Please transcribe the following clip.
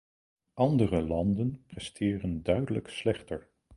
Andere landen presteren duidelijk slechter.